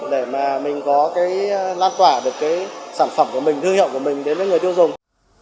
để mình có lan tỏa được sản phẩm của mình thư hiệu của mình đến với người tiêu dùng